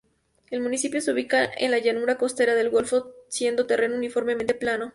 El municipio se ubica en la Llanura Costera del Golfo, siendo terreno uniformemente plano.